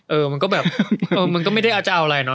เออมันก็แบบเออมันก็ไม่ได้อาจจะเอาอะไรเนาะ